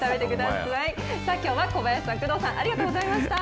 さあ、きょうは小林さん、工藤さん、ありがとうございました。